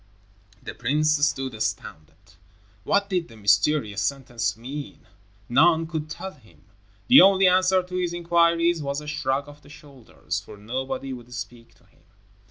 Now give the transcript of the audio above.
The prince stood astounded. What did the mysterious sentence mean? None could tell him. The only answer to his inquiries was a shrug of the shoulders, for nobody would speak to him.